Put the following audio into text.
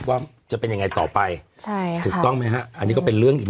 ต้องเห็นอีกหนึ่งอันนี้คือ